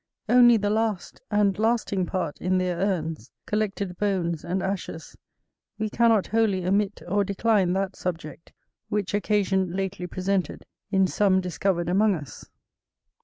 Only the last and lasting part in their urns, collected bones and ashes, we cannot wholly omit or decline that subject, which occasion lately presented, in some discovered among us.